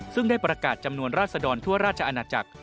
ซึ่งได้ประกาศจำนวนราศดรทั่วราชอาณาจักร